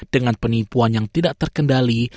dengan penipuan yang tidak terkendali